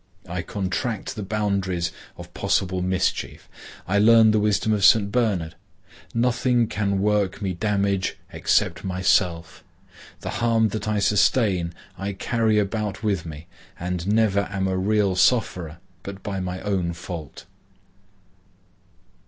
I contract the boundaries of possible mischief. I learn the wisdom of St. Bernard,—"Nothing can work me damage except myself; the harm that I sustain I carry about with me, and never am a real sufferer but by my own fault."